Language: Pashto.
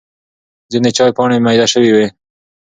ځینې چای پاڼې مېده شوې وي.